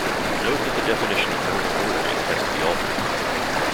Note that the definition of normal ordering has to be altered.